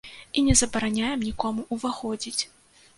І не забараняем нікому ўваходзіць.